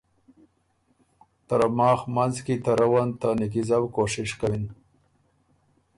ترماخ منځ کی ته روّن ته نیکیزؤ کوشش کوِن